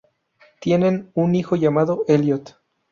Tienen un hijo llamado Elliott.